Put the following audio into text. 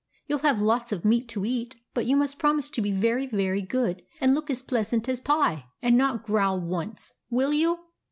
You '11 have lots of meat to eat ; but you must promise to be very, very good, and look as pleasant as pie, and not growl once. Will you